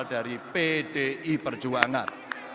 berhasil dari pdi perjuangan